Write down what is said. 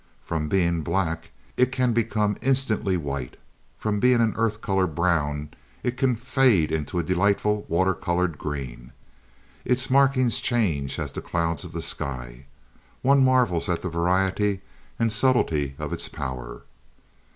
From being black it can become instantly white; from being an earth colored brown it can fade into a delightful water colored green. Its markings change as the clouds of the sky. One marvels at the variety and subtlety of its power.